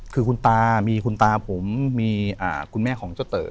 คือคุณตามีคุณตาผมมีคุณแม่ของเจ้าเต๋อ